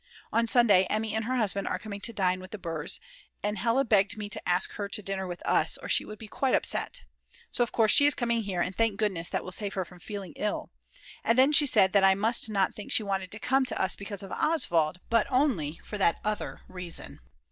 On Sunday Emmy and her husband are coming to dine with the Brs., and Hella begged me to ask her to dinner with us, or she would be quite upset. So of course she is coming here and thank goodness that will save her from feeling ill. And then she said that I must not think she wanted to come to us because of Oswald, but only for that other reason.